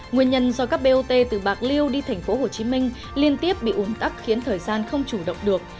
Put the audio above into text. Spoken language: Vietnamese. nguyên nhân do các bot từ bạc liêu đi tp hcm liên tiếp bị ốm tắc khiến thời gian không chủ động được